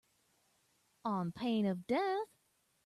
On pain of death